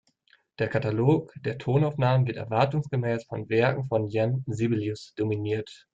Der Katalog der Tonaufnahmen wird erwartungsgemäß von Werken von Jean Sibelius dominiert.